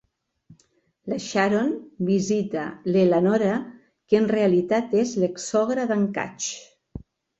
La Sharon visita l'Elanora, que en realitat és l'exsogra d'en Catch.